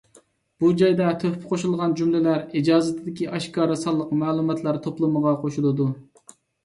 بۇ جايدا تۆھپە قوشۇلغان جۈملىلەر ئىجازىتىدىكى ئاشكارا سانلىق مەلۇمات توپلىمىغا قوشۇلىدۇ.